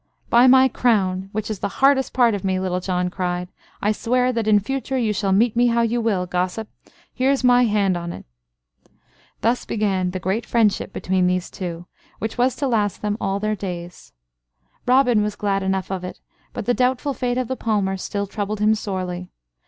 "By my crown, which is the hardest part of me," Little John cried, "I swear that in future you shall meet me how you will, gossip. Here's my hand on it." Thus began the great friendship between these two, which was to last them all their days. Robin was glad enough of it; but the doubtful fate of the palmer still troubled him sorely.